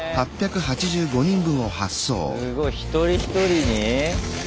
すごい一人一人に？